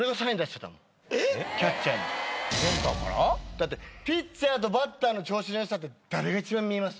だってピッチャーとバッターの調子の良さって誰が一番見えます？